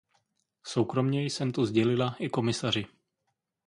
Soukromě jsem to sdělila i komisaři.